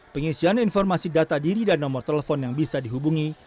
pengisian informasi data diri dan nomor telepon yang bisa dihubungi